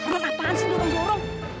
kenapaan sih dorong dorong